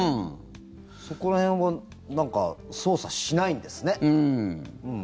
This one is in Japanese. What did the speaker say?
そこら辺は、なんか操作しないんですね。